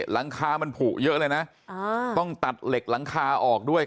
หลังคามันผูกเยอะเลยนะต้องตัดเหล็กหลังคาออกด้วย